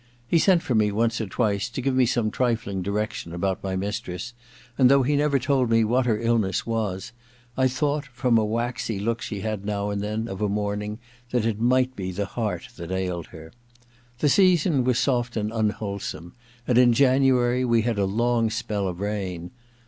He sent for me once or twice to give me some trifling direction about my mistress, and though he never told me what her illness was, I thought, from a waxy look she had now and then of a morning, that it might be the heart that ailed her. The season was soft and unwholesome, and in January we had a long spell of rain.